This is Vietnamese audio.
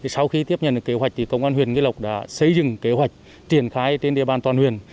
sau khi tiếp nhận kế hoạch công an nghị lộc đã xây dựng kế hoạch triển khai trên địa bàn toàn huyền